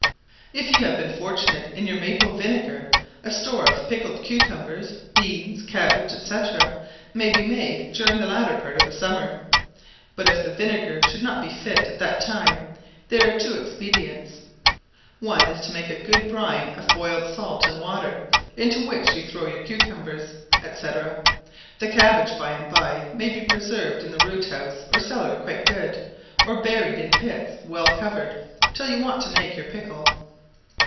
If you have been fortunate in your maple vinegar, a store of pickled cucumbers, beans, cabbage, &c. may be made during the latter part of the summer; but if the vinegar should not be fit at that time, there are two expedients: one is to make a good brine of boiled salt and water, into which throw your cucumbers, &c. (the cabbage, by the by, may be preserved in the root house or cellar quite good, or buried in pits, well covered, till you want to make your pickle).